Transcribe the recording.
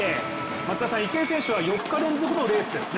松田さん、池江選手は４日連続のレースですね。